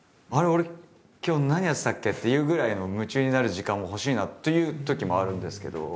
俺今日何やってたっけ？っていうぐらいの夢中になる時間も欲しいなっていうときもあるんですけど。